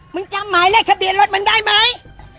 มึงจำหมายแรกขเบียนรถมันได้ไหม